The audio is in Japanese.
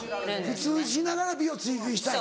普通にしながら美を追求したい。